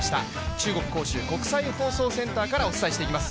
中国・杭州国際放送センターからお伝えしていきます。